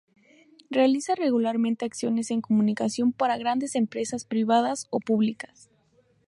Realiza regularmente acciones en comunicación para grandes empresas privadas o públicas.